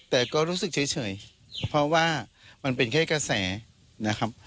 แต่ก็รู้สึกเฉยเพราะว่ามันเป็นแค่กระแสนะครับ